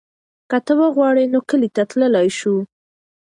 که ته وغواړې نو کلي ته تللی شو.